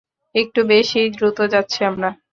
একটু বেশিই দ্রুত যাচ্ছি আমরা!